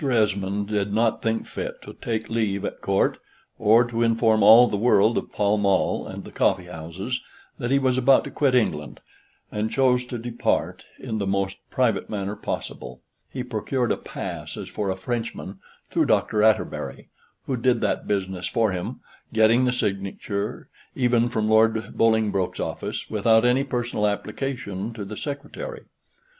Esmond did not think fit to take leave at Court, or to inform all the world of Pall Mall and the coffee houses, that he was about to quit England; and chose to depart in the most private manner possible. He procured a pass as for a Frenchman, through Dr. Atterbury, who did that business for him, getting the signature even from Lord Bolingbroke's office, without any personal application to the Secretary.